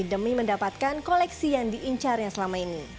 demi mendapatkan koleksi yang diincarnya selama ini